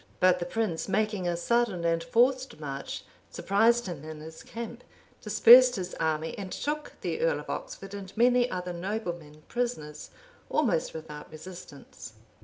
But the prince, making a sudden and forced march, surprised him in his camp, dispersed his army, and took the earl of Oxford and many other noblemen prisoners, almost without resistance.